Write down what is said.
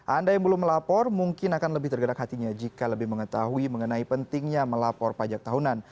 anda yang belum melapor mungkin akan lebih tergerak hatinya jika lebih mengetahui mengenai pentingnya melapor pajak tahunan